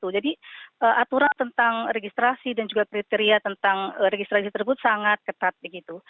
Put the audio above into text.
jadi aturan tentang registrasi dan juga kriteria tentang registrasi tersebut sangat ketat